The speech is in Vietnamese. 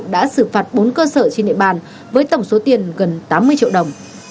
đã xử phạt bốn cơ sở trên địa bàn với tổng số tiền gần tám mươi triệu đồng